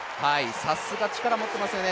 さすが力持ってますよね